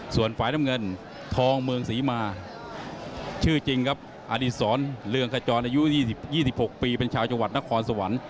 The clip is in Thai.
ส่วนฝ่ายน้ำเงินทองเมืองศรีมาชื่อจริงครับอดีศรเรืองขจรอายุ๒๖ปีเป็นชาวจังหวัดนครสวรรค์